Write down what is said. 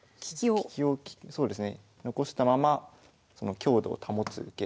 利きをそうですね残したままその「強度を保つ受け」。